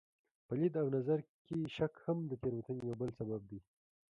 په لید او نظر کې شک هم د تېروتنې یو بل سبب دی.